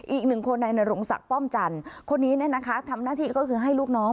อีกหนึ่งคนในนรงศักดิ์ป้อมจันทร์คนนี้เนี่ยนะคะทำหน้าที่ก็คือให้ลูกน้อง